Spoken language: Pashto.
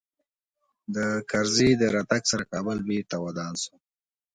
د کرزي د راتګ سره کابل بېرته ودان سو